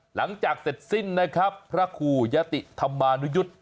หลังจากเสร็จสิ้นนะครับพระครูยะติธรรมานุยุทธ์